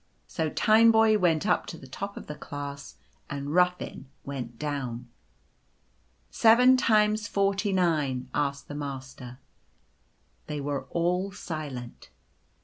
So Tineboy went up to the top of the class, and Ruffin went down. " Seven times forty nine ?" asked the Master. They were all silent.